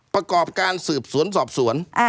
ประกอบการสืบสวนสอบสวน